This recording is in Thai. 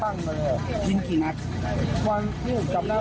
เราเคยมีปัญหากับเขาไหม